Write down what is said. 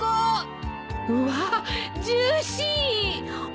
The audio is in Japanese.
うわっジューシー。